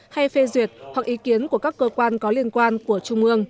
hay phê duyệt hoặc ý kiến của các cơ quan có liên quan của trung ương